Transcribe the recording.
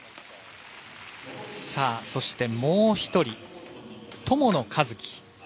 そして、もう１人友野一希。